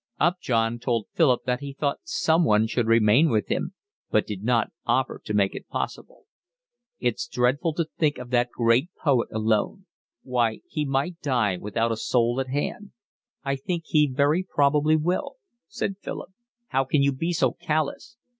Upjohn told Philip that he thought someone should remain with him, but did not offer to make it possible. "It's dreadful to think of that great poet alone. Why, he might die without a soul at hand." "I think he very probably will," said Philip. "How can you be so callous!"